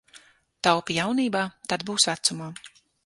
Taupi jaunībā, tad būs vecumā.